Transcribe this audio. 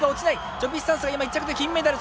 ジョピスサンスが今１着で金メダル。